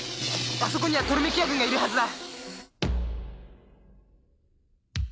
あそこにはトルメキア軍がいるはずだ。